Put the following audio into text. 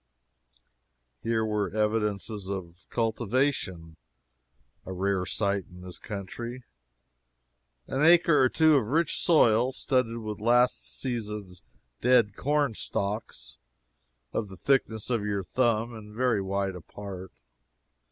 Here were evidences of cultivation a rare sight in this country an acre or two of rich soil studded with last season's dead corn stalks of the thickness of your thumb and very wide apart.